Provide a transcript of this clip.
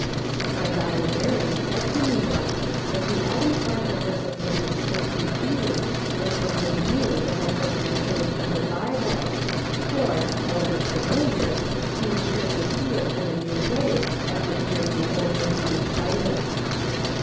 My daughter Mary said to me once, that she io8 MRS. SOLOMON' SMITH LOOKING ON. always marked a verse of Mrs. Smith's repeating as something new that had just been put into her Bible, for, however familiar, she was sure to see it in a new way, after hearing the old lady recite it.